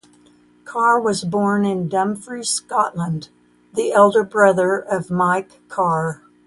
Carr was born in Dumfries, Scotland, the elder brother of Mike Carr.